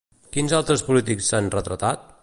Quins altres polítics s'han retratat?